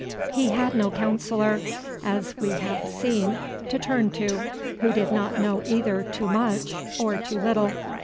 He had no counsellor, as we have seen, to turn to, who did not know either too much or too little.